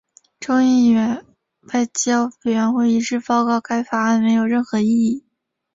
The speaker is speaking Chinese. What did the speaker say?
众议院外交委员会一致报告该法案没有任何意义。